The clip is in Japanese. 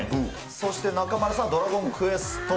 そして中丸さんはドラゴンクエスト。